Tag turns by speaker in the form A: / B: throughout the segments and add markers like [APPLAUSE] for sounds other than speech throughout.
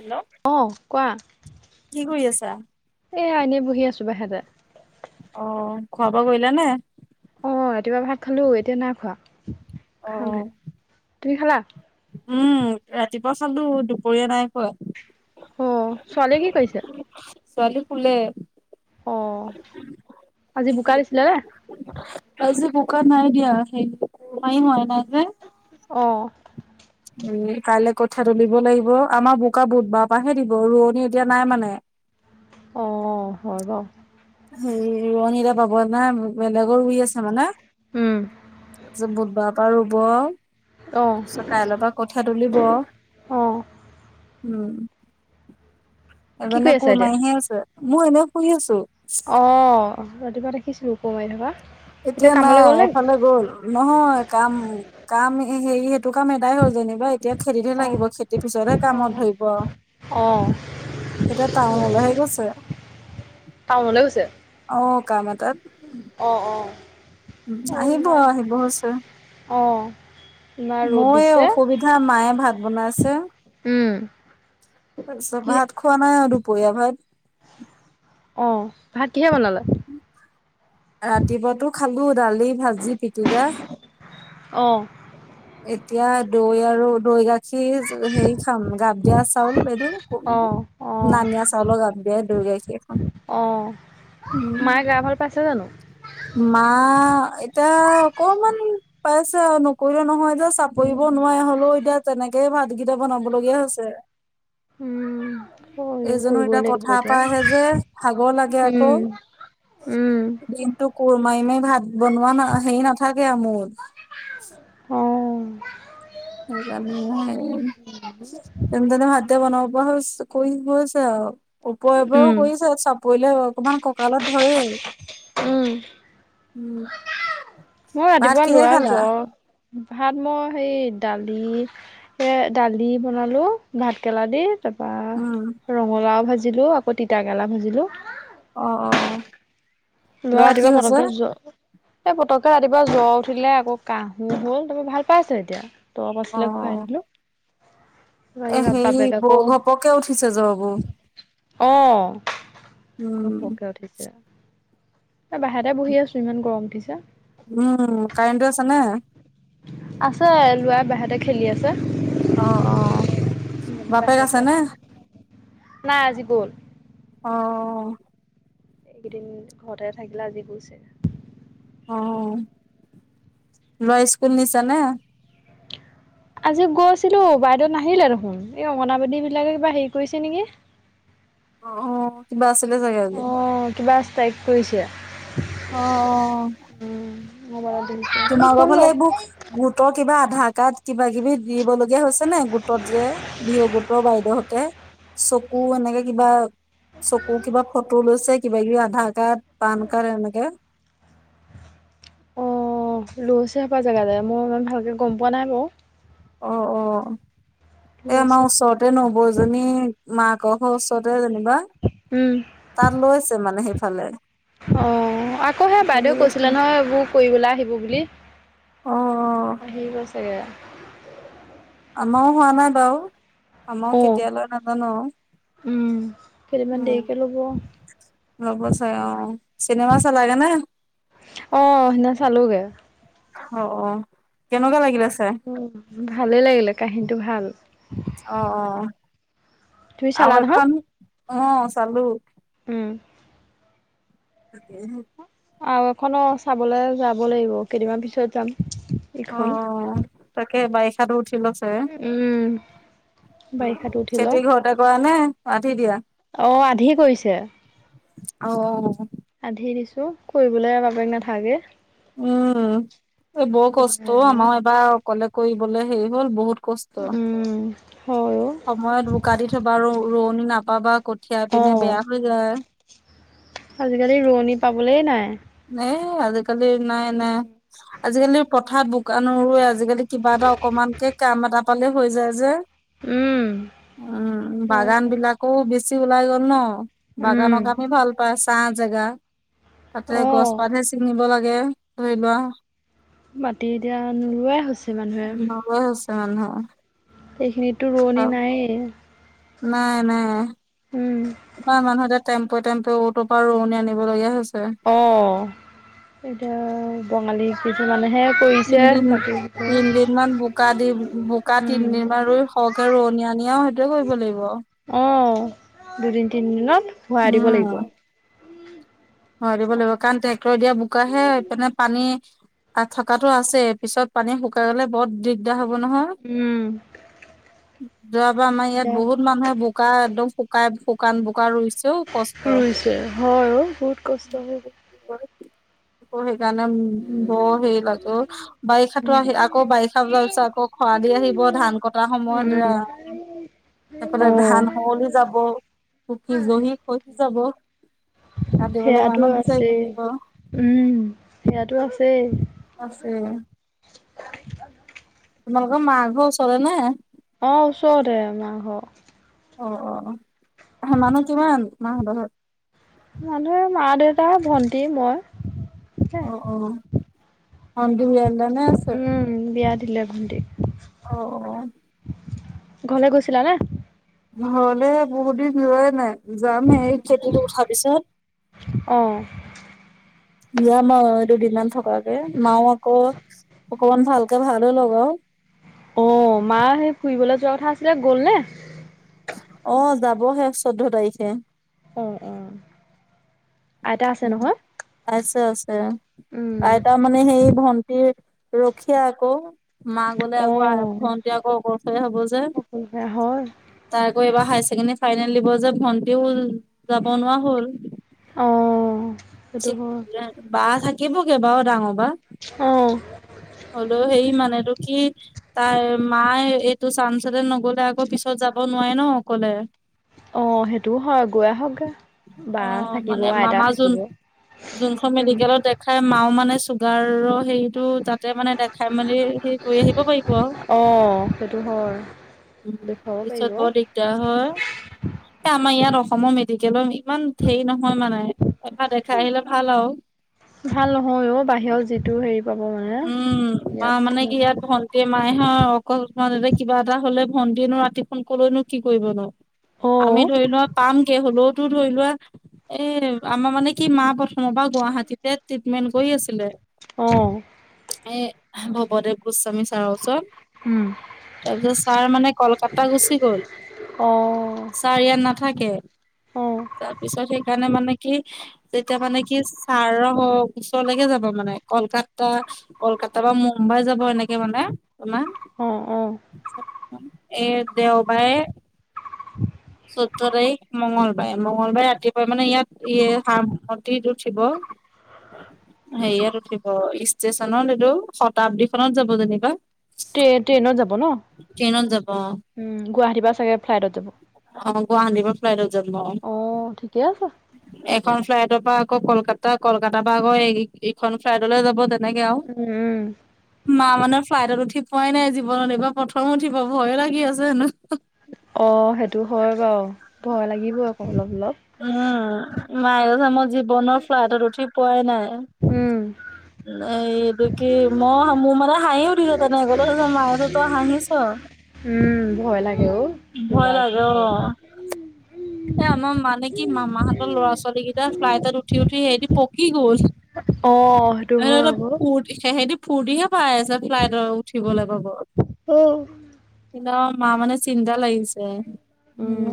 A: Hello.
B: অ' কোৱা
A: কি কৰি আছা?
B: এয়া এনেই বহি আছো বাহিৰতে
A: অ' খোৱা বোৱা কৰিলা নে?
B: অ' ৰাতিপুৱা ভাত খালো এতিয়া না খোৱা খাম হে তুমি খালা?
A: উম ৰাতিপুৱা খালো দুপৰীয়া নাই খোৱা।
B: অ' ছোৱালীয়ে কি কৰিছে?
A: ছোৱালী শুলে।
B: অ' আজি বোকা দিছিলেনে?
A: আজি বোকা নাই দিয়া সেই পানী নাই হোৱা যে।
B: অ'
A: উ কাইলে কঠিয়া তুলিব লাগিব। আমাৰ বোকা বুধবাৰ পৰাহে দিব ৰোৱনী এতিয়া নাই মানে।
B: অ' হয় বাৰু।
A: হেৰি ৰোৱনী এতিয়া পাব নাই। বেলেগৰ ৰুই আছে মানে।
B: উম,
A: তাৰ পিছত বুধবাৰ পৰা ৰুব আও,
B: অ'
A: কাইলৈৰ পৰা কঠিয়া তুলিব,
B: অ',
A: উম।
B: কি কৰি
A: এজনে
B: আছা
A: কোৰ
B: এতিয়া
A: মাৰিহে আছে, মই এনে শুই আছো।
B: অ', ৰাতিপুৱা ৰাখিছিলোঁ কোৰ মাৰি থকা।
A: এতিয়া
B: কামলৈ
A: নাই
B: গ'ল নে
A: এফালে গ'ল। নহয় কাম -কাম হেৰি সেইটো কাম এডাই হ'ল যেনিবা এতিয়া। খেতিতহে
B: অ',
A: লাগিব খেতিৰ পিছতহে
B: অ',
A: কামত ধৰিব আও।
B: অ'
A: এতিয়া টাউনলে হে গৈছে।
B: টাউনলে গৈছে।
A: অ' কাম এটাত।
B: অ', অ'।
A: উম,
B: অ', ইমান
A: আহিব- আহিব হৈছে।
B: অ'। ইমান ৰ'দ
A: মোৰ এই
B: দিছে
A: অসুবিধা, মায়ে ভাত বনাইছে।
B: উম,
A: তাৰপিছত
B: কি
A: ভাত খোৱা নাই আৰু দুপৰীয়া ভাত।
B: অ', ভাত কিহে বনালে?
A: ৰাতিপুৱাতো খালো দালি, ভাজি, পিটিকা।
B: অ'।
A: এতিয়া দৈ আৰু দৈ গাখীৰ হেৰি খাম গাপ দিয়া চাউল এইটো [UNINTELLIGIBLE]
B: অ', অ',
A: নানিয়া চাউলৰ গাপ দিয়া দৈ গাখীৰে খাম। উম
B: মাই গা গা ভাল পাইছে জানো?
A: মা এতিয়া অকমান পাইছে আৰু নকৰিলেও নহয় এতিয়া চাপৰিব নোৱাৰে হ'লেও এতিয়া তেনেকেই ভাতকেইটা বনাব লগীয়া হৈছে।
B: উম, হয়
A: এইজনৰ
B: কৰিবই
A: এতিয়া
B: লাগিব
A: পথাৰ পৰাই আহে যে ভাগৰ লাগে আকৌ।
B: উম, উম,
A: দিনটো কোৰ মাৰি-মাৰি ভাত বনোৱা, না হেৰি নাথাকে আৰু মোৰ।
B: অ'।
A: সেইকাৰণে আৰু এই, যেনতেনে ভাতকেইটা বনাব পৰা হৈছোঁ। কৰি গৈছে আৰু ওপৰে-ওপৰেও
B: উম,
A: কৰিছে চব কৰিলে অকমান কঁকালত ধৰেই,
B: উম,
A: উম।
B: মোৰ
A: ভাত
B: ৰাতিপুৱা
A: কিহে
B: ল'ৰা
A: খালা
B: জ্বৰ। ভাত মই সেই দালি, এ দালি বনালো, ভাত কেৰেলা দি। তাৰপা
A: উম
B: ৰঙালাও ভাজিলো, আকৌ তিতাকেৰেলা ভাজিলো।
A: অ-অ'।
B: ল'ৰা ৰাতিপুৱা পতককে জ্বৰ এই পতককে ৰাতিপুৱা জ্বৰ উঠিলে, আকৌ কাহো হ'ল, তাৰপা ভাল পাইছে এতিয়া। দৰৱ
A: অ
B: আছিলে খুৱাই দিলোঁ।
A: এ হেৰি বৰ ঘপককে উঠিছে জ্বৰবোৰ।
B: অ',
A: উম,
B: ঘপককে উঠিছে। এ বাহিৰতে বহি আছোঁ, ইমান গৰম উঠিছে।
A: উম, কাৰেণ্টটো আছেনে?
B: আছে। ল'ৰা বাহিৰতে খেলি আছে।
A: অ'-অ', বাপেক
B: বাহিৰতে
A: আছে নে?
B: আছো নাই আজি গ'ল
A: অ'।
B: এইকেইদিন ঘৰতে থাকিলে, আজি গইছে।
A: অ', ল'ৰা স্কুল নিছা নে?
B: আজি গৈছিলো, বাইদেউ নাহিলে দেখোন, এই অংগনাবাদী বিলাকে কিবা হেৰি কৰিছে নেকি।
A: অ', অ', কিবা আছিলে চাগে আজি।
B: অ', কিবা ষ্ট্ৰাইক কৰিছে।
A: অ, অ।
B: [UNINTELLIGIBLE] উম' মই যে আজিলৈকে,
A: তোমালোকৰ
B: ফোন-ফোন
A: ফালে
B: নকৰো
A: এইবোৰ গোটৰ কিবা আধাৰ কাৰ্ড, কিবা-কিবি দিবলগীয়া হৈছে [UNINTELLIGIBLE] নে গোটত যে ভিঅ' গোটৰ বাইদেউহঁতে, চকু এনেকে কিবা চকু কিবা ফটো লৈছে, কিবা-কিবি আধাৰ কাৰ্ড, পান কাৰ্ড এনেকে।
B: অ', লৈছে হপাই জেগাই-জেগাই, মই ইমান ভালকে গম পোৱা নাই বাওঁ।
A: অ', অ', এ
B: লৈছে
A: আমাৰ ওচৰত তে নবৌ এজনী মাকৰ ঘৰ ওচৰতে যেনিবা।
B: উম।
A: তাত লৈছে মানে সেইফালে।
B: অ, আকৌ সেই
A: সেইফালে
B: বাইদেউ
A: গৈছে
B: কৈছিলে নহয় এইবোৰ কৰিবলৈ আহিব বুলি।
A: অ', অ',
B: আহিব ছাগে।
A: আমাৰ হোৱা নাই বাওঁ। আমাক কেতিয়া লয় নাজানো আৰু।
B: উম, কেইদিনমান
A: উম'
B: দেৰিকে ল'ব।
A: ল'ব চাগে অ'। চিনেমা চালাগে নে?
B: অ, সেইদিনা চালোগে।
A: অ-অ কেনেকুৱা লাগিলে চাই?
B: অ, ভালে লাগিলে, কাহিনীটো ভাল।
A: অ-অ
B: তুমি
A: আৰু
B: চালা নহয়?
A: এখন অ' চালোঁ।
B: উম।
A: [UNINTELLIGIBLE] তাকে অ'হ
B: আৰু এখনো চাবলৈ যাব লাগিব, কেইদিনমান পিছত যাম।
A: অ,
B: ইখন
A: তাকে বাৰিষাতো উঠি লগ চাগে।
B: উম।
A: উম',
B: বাৰিষাটো উঠি লওক।
A: খেতি ঘৰতে কৰা নে আধি দিয়া?
B: অ', আধি কৰিছে',
A: অওওও',
B: আধি দিছোঁ, কৰিবলৈ বাপেক নাথাকে।
A: উম' এই বৰ কষ্ট অ, আমাৰ এবাৰ অকলে কৰিবলে হেৰি হ'ল বহুত। কষ্ট,
B: উম, হয়
A: সময়ত বোকা দি থবা, ৰ ৰো ৰোৱনি নাপাবা ক'ত সেয়া পিনে বেয়া
B: অ'।
A: হৈ যায়',
B: আজিকালি ৰোৱনি পাবলৈ নাই',
A: নাই', আজিকালি নাই', - নাই', আজিকালি পথাৰ বোকা ন ৰুৱে আজিকালি কিবা এটা অকমানকে কাম এটা পালে হৈ যায় যে',
B: উম',
A: উম', বাগান বিলাকও বেছি ওলাই গ'ল ন
B: উম,
A: বাগানৰ কামে ভাল', তাৰপা ছাহ জেগা, তাতে গছ
B: অ',
A: পাতহে ছিঙিব লাগে, ধৰি লোৱা',
B: মাটি এতিয়া নোৰুৱাই হৈছে মানুহে',
A: কোৱা হৈছে মানু',
B: এইখিনিতো ৰোৱনি নায়েই',
A: নাই', - নাই',
B: উম',
A: ইমান মানুহ এতিয়া, টেম্পো', - টেম্পো', অটোৰ পৰা ৰোৱনি আনিবলগীয়া হৈছে',
B: অহ', এতিয়া বঙালী', কিছুমানেহে কৰিছে বাকীবোৰ ত',
A: ইমান বোকা দি, বো', -বোকা তিনদিনমান ৰুই সৰহকে ৰোৱনি আনি আ', সেইটোয়ে কৰিব লাগিব',
B: অহ', দুদিন তিনিদিনত ভৰাই দিব লাগিব',
A: ভৰাই দিব লাগিব, কাৰণ ট্ৰেক্টৰে দিয়া বোকাহে, এপিনে পানী', তাত থাকাটো আছে, পিছত পানী শুকাই গ'লে বৰ দিগদাৰ হ'ব নহয়', হা',
B: উম,
A: - যোৱা বাৰ আমাৰ ইয়াত
B: এতিয়া
A: বহুত মানুহে বোক', শুকাই, একদম শুকাই শুকান বোকা ৰুইচো কষ্ট',
B: তাকে হয়', অ', বহুত কষ্ট হয়',
A: হয়', অ', সেইকাৰণে হম', -হম', বৰ হেৰি লাগে অ, ' বাৰিষাটো
B: উম,
A: আহিল আক', আকৌ বাৰিষা যোৱা পিছত আকৌ খৰা দিন আহিব ধান কটাৰ সময়ত
B: উম
A: ৰাম', সেফালে
B: অ',
A: ধান সৱলি যাব, পকি জহি খহি যাব', কাটিবলৈ
B: সেইয়াতো
A: মানুহ বিচাৰিব
B: আছে,
A: লাগিব
B: উম', সেইয়াতো আছেই',
A: আছে', তোমালোকৰ মা ঘৰ ওচৰতে নে?
B: অ', ওচৰতে মা ঘৰ',
A: অ', - অ', -অহ', হা', মানুহ কিমান মাহতৰ ঘৰত?
B: মানুহ, মা দেউতা ভন্টি মই',
A: অ', - অ', ভন্টি ইয়া লেনে আছে,
B: উম বিয়া দিলে ভণ্টি
A: অ', -অ',
B: ঘৰলে গৈছিলা নে?
A: ঘৰলে বহুত দিন যোৱাই নাই', যাম হেই, এই খেতিটো উঠাৰ পিছত',
B: অ
A: যাম আৰু দুদিন মান থকাকে, মাও আকৌ', অকমান ভালকে ভাবি ল'ব',
B: অ', মা সেই ফুৰিবলৈ যোৱা কথা আছিলে, গ'ল নে?
A: অ', যাবহে চৈধ্য তাৰিখে',
B: অ', -অ', আইতা আছে
A: উম।
B: নহয়?
A: আছে', -আছে',
B: উম
A: আইতা মানে হেৰি ভন্টিৰ ৰখিয়া আকৌ', মা গ'লে
B: অ
A: আকৌ ভণ্টি আকৌ অকলশৰীয়া হ'ব যে',
B: সকলোৰে হয়
A: তাই আকৌ এইবাৰ হায়াৰ ছেকেণ্ডৰী ফাইনেল দিব যে ভন্টিও যাব নোৱাৰা হ'ল',
B: অওওও',
A: [UNINTELLIGIBLE] বা থাকিব কেইবাও ডাঙৰ বা।
B: অ',
A: হ'লোও, হেৰি মানেটো কি? তাইৰ, মায়ে এইটো চাঞ্চতে নগলে আকৌ পিছত যাব নোৱাৰে ন' অকলে',
B: অহ, সেইটোও হয় গৈ আহক গে বা
A: অ
B: থাকিব।
A: মানে
B: আইতা
A: মামা যোন
B: থাকিব
A: যোনখন
B: উম
A: মেডিকেলত দেখাই মাও মানে চুগাৰৰ হেৰিটো তাত তাতে মানে দেখাই মেলি হেই কৰি আহিব পাৰিব।
B: অ, সেইটো হয়।
A: উম,
B: দেখুৱাব
A: পিছত
B: পাৰিব
A: বৰ দিগ দাৰ হয় এই আমাৰ ইয়াত অসমৰ মেডিকেলৰ ইমান হেৰি নহয় মানে। এফা -দেখা আহিলে ভাল আও।
B: ভাল নহয় অ, বাহিৰত যিটো হেৰি পাব মানে
A: উম, বা
B: ইয়াত
A: মানে কি ইয়াত ধন [UNINTELLIGIBLE] কিবা এটা হ'লে ভণ্টিনো ৰাতিখন কলৈনো কি কৰিব নো।
B: অ
A: আমি ধৰি লোৱা পামগে হ'লওতো ধৰি লোৱা এ আমাৰ মানে কি মা প্ৰথমৰ বা গুৱাহাটীতে ট্ৰিটমেন্ট কৰি আছিলে।
B: অ',
A: এ ভৱদেৱ গোস্বামী ছাৰৰ ওচৰ।
B: উম
A: তাৰপিছত ছাৰ মানে কলকাতা গুচি গ'ল।
B: অ
A: ছাৰ ইয়াত নাথাকে
B: অ
A: তাৰ পিছত সেইকাৰণে মানে কি তেতিয়া মানে কি ছাৰ হওক ওচৰলৈকে যাব মানে কলকাত কাতা কলকাতা বা মুম্বাই যাব এনেকে মানে তোমাৰ।
B: অ', অ',
A: এ দেওবাৰে চৈধ্য তাৰিখ মঙলবাৰে- মঙলবাৰে ৰাতিপুৱাই মানে ইয়াত ইয়ে [UNINTELLIGIBLE] উঠিব। [INAUDIBLE] হেৰিয়াত উঠিব ষ্টেচনত এইতো শতাব্দীখনত যাব যেনিবা।
B: ট্ৰে -ট্ৰেইনত যাব ন'?
A: ট্ৰেইনত যাব অহ।
B: উম, গুৱাহাটীৰ পা চাগে ফ্লাইটত যাব।
A: অ, গুৱাহাটী পৰা ফ্লাইটত যাব অহ।
B: অহ, ঠিকে আছে।
A: এখন ফ্লাইটৰ পৰা আকৌ কলকাতা কলকাতাৰ পৰা আকৌ ইখন ফ্লাইটলৈ যাব তাত এনেকে আও।
B: উম উম
A: মা মানে ফ্লাইটত উঠি পোৱাই নাই জীৱনত এইবাৰ প্ৰথম উঠিব ভয়ে লাগি আছে হেনো।
B: অ, সেইটো হয় বাৰু ভয় লাগিব আকৌ অলপ- অলপ।
A: অহ, মায়ে কৈছে মই জীৱনৰ ফ্লাটত উঠি পোৱাই নাই
B: উম।
A: এইটো কি ম মোৰ মানে হাঁহ উঠিছে তনে আগতে মায়ে [UNINTELLIGIBLE] তই হাঁহিছ।
B: উম, ভয় লাগে অ
A: ভয় লাগে অ।
B: [UNINTELLIGIBLE]
A: এ আমাৰ মানে কি মামাহঁতৰ ল'ৰা -ছোৱালী গিতা ফ্লাইটত উঠি -উঠি হেৰি পকি গ'ল।
B: অ সেইটো হয়
A: [UNINTELLIGIBLE]
B: আকৌ
A: ফুৰ্তি সেহতি ফুৰ্তিহে পাই আছে ফ্লাইটৰ উঠিবলে পাব।
B: অহ',
A: [UNINTELLIGIBLE] চিন্তা লাগিছে উম।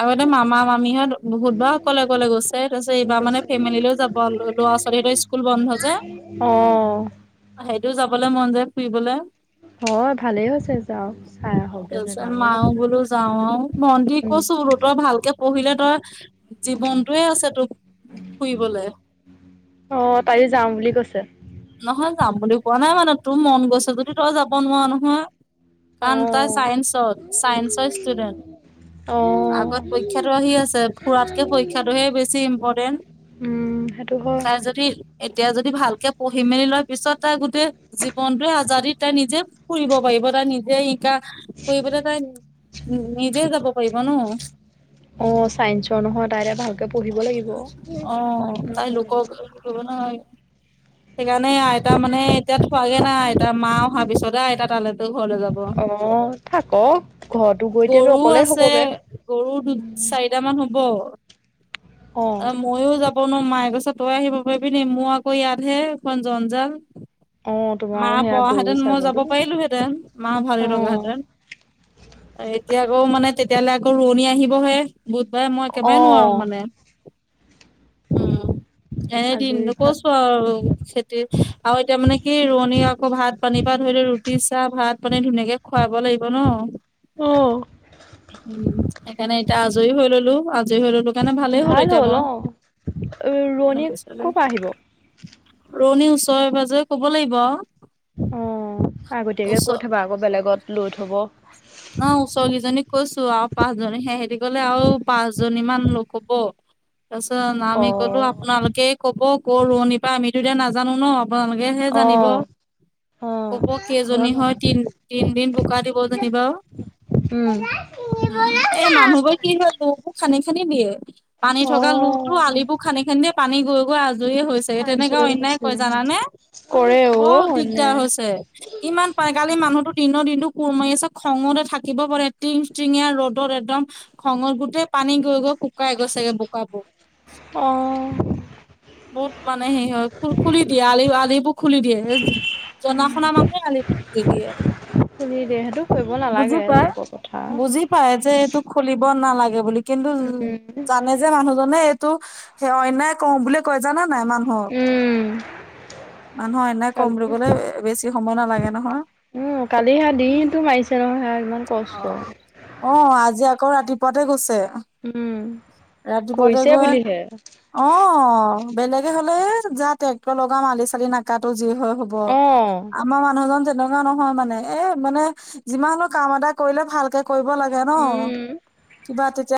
A: আগতে মামা- মামিহঁত বহুত বাৰ অকলে- অকলে গৈছে তাৰছত এইবাৰ মানে ফেমিলৈ যাব [UNINTELLIGIBLE] লৰা -ছোৱালীকেইটা স্কুল বন্ধ যে
B: অ
A: সেইটোও যাবলে মন যায় ফুৰিবলে।
B: হয় ভালেই হৈছে যাওক চাই আহকগে
A: তাৰপিছত
B: জেগাবোৰ ন
A: মাও বোলো যাওঁ আৰু মন্দি
B: উম,
A: কৈছোঁ বোলো তই ভালকে পঢ়িলে তই জীৱনটোৱে আছে তো ফুৰিবলে।
B: অঁ তায়ো যাওঁ বুলি কৈছে।
A: নহয় যাম বুলি কোৱা নাই মানে তোৰ মন গৈছে যদি তই যাব নোৱাৰা নহয়।
B: অ'।
A: কাৰণ তাই চাইন্সত চাইন্সৰ ষ্টুডেণ্ট।
B: অ'।
A: আগত পৰীক্ষাটো আহি আছে ফুৰাতকে পৰীক্ষাটোহে বেছি ইম্পৰ্টেণ্ট।
B: উম, সেইটো হয়।
A: তাৰ যদি এতিয়া যদি ভালকে পঢ়ি মেলি লয় পিছত তাই গোটেই জীৱনটোৱে আজাদিত তাই নিজে ফুৰিব পাৰিব তাই নিজেই শিকা ফুৰিবলে তাই নিজে যাব পাৰিব ন।
B: অ, চাইন্সৰ নহয় তাই এতিয়া ভালকে পঢ়িব লাগিব।
A: তোৰো নাই। সেইকাৰণে আইতা মানে এতিয়া থোৱাগে নাই আইতা মা অহা পিছতে আইতা তালে তো ঘৰলে যাব।
B: অঁ থাকক ঘৰটো গৈ এতিয়াটো
A: গৰু
B: অকলে
A: আছে
B: হ'বগে।
A: গৰু দুই চাৰিটামান হ'ব।
B: অ',
A: তাপা মোক ময়ো যাব নোৱাৰোঁ মায়ে কৈছে তই আহিব পাৰিবি নিকি? মোৰ আকৌ ইয়াতহে এখন জঞ্জাল।
B: অ',
A: মা
B: তোমাৰো সেয়া
A: পৰা
B: গৰু
A: হেঁতেন মই যাব
B: ছাগলী
A: পাৰিলো হেঁতেন মা ভাল লগা
B: অ',
A: হেঁতেন। এ এতিয়া আকৌ মানে তেতিয়ালে আকৌ ৰোৱনী আহিবহে। বুধবাৰে মই একেবাৰে নোৱাৰোঁ
B: অ',
A: মানে, উম। এ
B: আজৰি
A: দিনটো
B: ভাত
A: কৈছোঁ আৱ। খেতিৰ আৰু এতিয়া মানে কি ৰোৱনী আকৌ ভাত পানীৰ পৰা ধৰি ল ৰুতি, চাহ, ভাত পানী ধুনীয়াকে খুৱাব লাগিব ন।
B: অ',
A: উম সেইকাৰণে এতিয়া আজৰি হৈ ল'লো আজৰি হৈ ল'লো। সেইকাৰণে ভালেই হ'ল
B: ভাল
A: এতিয়া
B: অ', ৰোৱনী
A: বাৱ।
B: ক'ৰ
A: পিছফালে
B: পৰা আহিব?
A: ৰোৱনী ওচৰে পাজৰে ক'ব লাগিব আৱ।
B: অঁ আগতীয়াকে কৈ থবা আকৌ বেলেগত লৈ থব।
A: অঁ ওচৰ কেইজনীক কৈছোঁ আৰু পাঁচজনী সেহেঁতি গ'লে আও পাঁচজনী মান লোক হ'ব। তাৰপিছত
B: অ
A: আমি ক'লো আপোনালোকে ক'ব ক ৰোৱনি পাওঁ? আমিতো এতিয়া নাজানো ন। আপোনালোকে হে
B: অ
A: জানিব।
B: অ
A: ক'ব কেইজনী হয় তিন তিনদিন বোকা দিব যেনিবা
B: উম
A: উম এই মানুহবোৰ কি হ'ল তো খান্দি খান্দি দিয়ে। পানী
B: অ
A: থকা লো টো আলিবোৰ খানি খান্দি দিয়ে পানী গৈ গৈ আজৰি তেনেকুৱা
B: আজৰি
A: অন্যায়
B: হৈছে
A: কৰে, জানানে?
B: কৰে অ
A: বৰ দিগদাৰ
B: অন্যায়
A: হৈছে। ইমান পাই, কালি মানুহতো দিনৰ দিনটো কুৰ মাৰি আছে খঙতে থাকিব পাৰে। টিং টিঙীয়া ৰ'দত একদম। খঙত গোটেই পানী গৈ গৈ শুকাই গৈ চেগে বোকাবোৰ।
B: অঁহ।
A: বহুত মানে সিহঁত খু খুলি দিয়ে আলি আলিবোৰ খুলি দিয়ে। এ জনা শুনা মানুহে আলিবোৰ খুলি দিয়ে।
B: যে সেইটো কৰিব নালাগে লোকৰ পথাৰৰ।
A: পায়ে যে এইটো খুলিব নালাগে বুলি কিন্তু জানে যে মানুহজনে এইটো সেই অন্যায় কৰোঁ বুলি কৰে জানা নাই মানুহক।
B: উম
A: মানুহৰ অন্যায় কৰোঁ
B: কালি
A: বুলি ক'লে এ বেছি সময় নালাগে নহয়।
B: উম কালি সেয়া দিনটো মাৰিছে নহয় সেয়া ইমান কষ্ট।
A: অঁ আজি আকৌ ৰাতিপুৱাতে গৈছে।
B: উম
A: ৰাতিপুৱাতে
B: কৰিছে
A: গৈ
B: বুলিহে
A: অঁ বেলেগে হ'লে এ যা ট্ৰেক্টৰ লগাম আলি চালি নাকাতো যি হয় হ'ব আৱ।
B: অ
A: আমাৰ মানুহজন যেনকা নহয় মানে এ মানে যিমান হ'লো কাম এটা কৰিলে ভালকে কৰিব লাগে ন?
B: উম
A: কিবা তেতিয়া